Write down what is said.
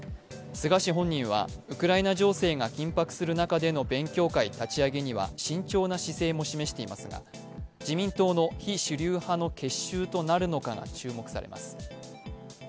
菅氏本人は、ウクライナ情勢が緊迫する中での勉強会立ち上げには慎重な姿勢も示していますが自民党の非主流派の結集となるのかが注目されます。